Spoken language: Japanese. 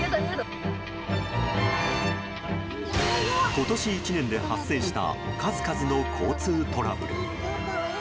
今年１年で発生した数々の交通トラブル。